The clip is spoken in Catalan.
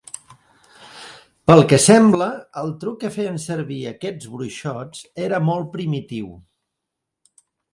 Pel que sembla, el truc que feien servir aquests bruixots era molt primitiu.